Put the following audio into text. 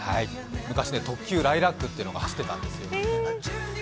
昔、特急「ライラック」というのが走っていたんですよ。